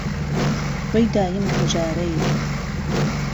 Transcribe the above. وهی دایم پهژارهی